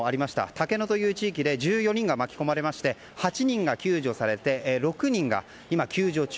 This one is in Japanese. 竹野という地域で１４人が巻き込まれまして８人が救助されて６人が今、救助中。